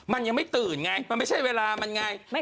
มันยังไม่ตื่นไงมันไม่ใช่เวลามันไง